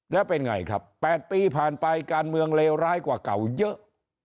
แล้วเป็นไงครับ๘ปีผ่านไปการเมืองเลวร้ายกว่าเก่าเยอะ